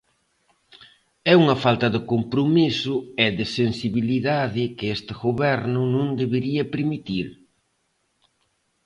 É unha falta de compromiso e de sensibilidade que este Goberno non debería permitir.